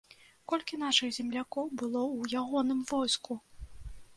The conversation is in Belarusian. Колькі нашых землякоў было ў ягоным войску?